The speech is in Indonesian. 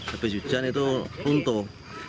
habis hujan itu runtuh